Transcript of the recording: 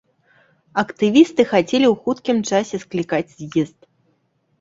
Актывісты хацелі ў хуткім часе склікаць з'езд.